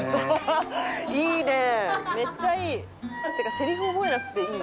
せりふ覚えなくていい」